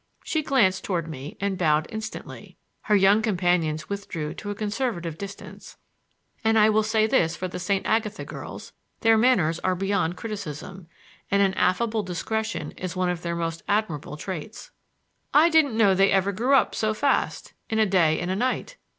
She glanced toward me and bowed instantly. Her young companions withdrew to a conservative distance; and I will say this for the St. Agatha girls: their manners are beyond criticism, and an affable discretion is one of their most admirable traits. "I didn't know they ever grew up so fast,—in a day and a night!"